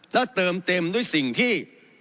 แล้วเติมเต็มด้วยสิ่งที่